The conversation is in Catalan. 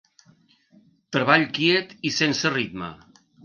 Treball quiet i sense ritme.